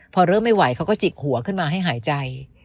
พอเริ่มไม่ไหวเขาก็จิกหัวขึ้นมาให้หายใจ